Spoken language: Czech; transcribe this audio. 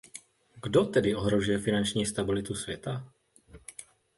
Kdo tedy ohrožuje finanční stabilitu světa?